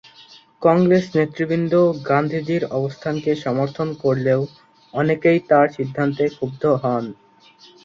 কংগ্রেস নেতৃবৃন্দ গান্ধীজির অবস্থানকে সমর্থন করলেও অনেকেই তাঁর সিদ্ধান্তে ক্ষুব্ধ হন।